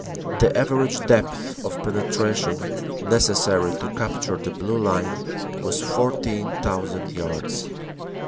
The average depth of penetration necessary to capture the Blue line was 14,000 yards.